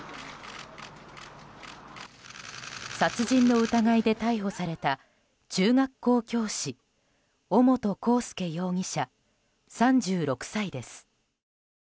殺人の疑いで逮捕された中学校教師尾本幸祐容疑者、３６歳です。